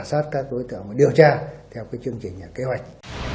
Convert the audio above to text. công an huyện phổ hiên ra sát các đối tượng điều tra theo chương trình kế hoạch